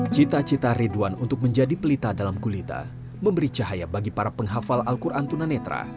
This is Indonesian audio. cita cita ridwan untuk menjadi pelita dalam kulita memberi cahaya bagi para penghafal al quran tunanetra